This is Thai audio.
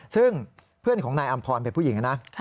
ซึ่งเพื่อนของนายอำพรเป็นผู้หญิงนะ